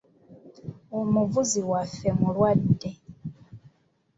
Omuvuzi waffe mulwadde.